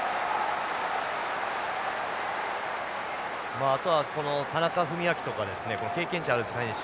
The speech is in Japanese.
まああとはこの田中史朗とか経験値のある選手